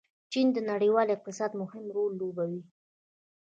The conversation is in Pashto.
چین د نړیوال اقتصاد مهم رول لوبوي.